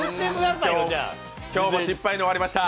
今日も失敗に終わりましたー。